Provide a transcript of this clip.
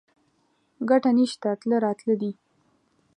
ګټه نشته تله راتله دي